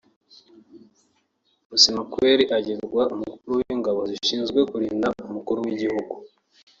Musemakweli agirwa Umukuru w’Ingabo zishinzwe kurinda Umukuru w’Igihugu